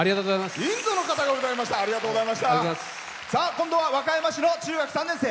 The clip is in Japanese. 今度は和歌山市の中学３年生。